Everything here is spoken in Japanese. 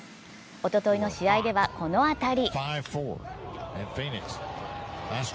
おとといの試合ではこの当たり。